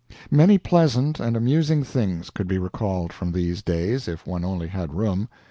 Many pleasant and amusing things could be recalled from these days if one only had room.